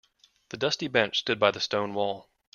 The dusty bench stood by the stone wall.